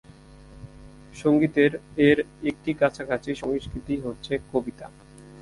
সংগীতের এর একটি কাছাকাছি সংস্কৃতি হচ্ছে কবিতা।